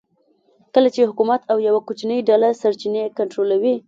کله چې حکومت او یوه کوچنۍ ډله سرچینې کنټرولوي